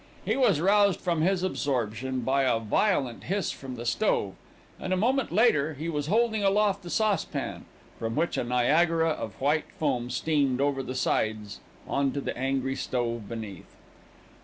He was roused from his absorption by a violent hiss from the stove and, a moment later, he was holding aloft the saucepan, from which a Niagara of white foam streamed over the sides on to the angry stove beneath.